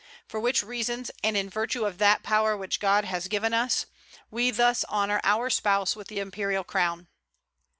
For which reasons, and in virtue of that power which God has given us, we thus honor our spouse with the imperial crown."